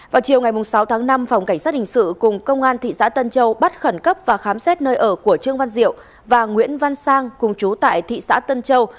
vào chiều ngày sáu tháng năm phòng cảnh sát hình sự cùng công an thị xã tân châu bắt khẩn cấp và khám xét nơi ở của trương văn diệu và nguyễn văn sang cùng chú tại thị xã tân châu